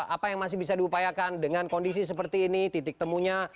apa yang masih bisa diupayakan dengan kondisi seperti ini titik temunya